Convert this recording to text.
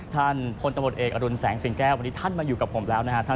ท่านพลตำรวจเอกอรุณแสงสิงแก้ววันนี้ท่านมาอยู่กับผมแล้วนะครับ